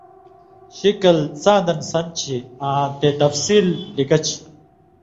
شِکل څاں دَن سَن٘دہ چھی آں تے تفصیل لِکہ چھی۔